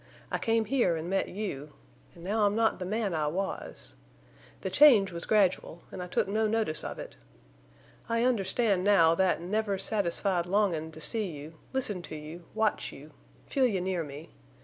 I came here an' met you. An' now I'm not the man I was. The change was gradual, an' I took no notice of it. I understand now that never satisfied longin' to see you, listen to you, watch you, feel you near me.